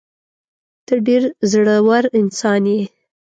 ته ډېر زړه ور انسان یې.